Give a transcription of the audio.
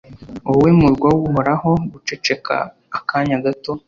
wowe murwa w’Uhoraho guceceka akanya gato